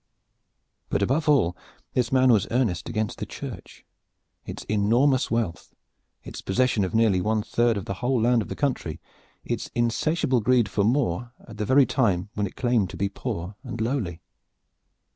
But above all this man was earnest against the Church its enormous wealth, its possession of nearly one third of the whole land of the country, its insatiable greed for more at the very time when it claimed to be poor and lowly.